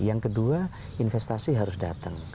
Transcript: yang kedua investasi harus datang